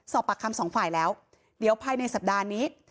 สอบปากคำสองฝ่ายแล้วเดี๋ยวภายในสัปดาห์นี้